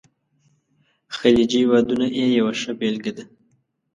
خلیجي هیوادونه یې یوه ښه بېلګه ده.